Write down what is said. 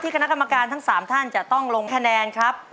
คณะกรรมการทั้ง๓ท่านจะต้องลงคะแนนครับ